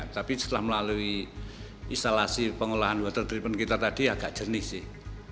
tapi setelah melalui instalasi pengolahan water treatment kita tadi agak jernih sih